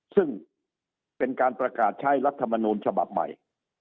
ซึ่งเป็นการประกาศใช้รัฐมนูลฉบับใหม่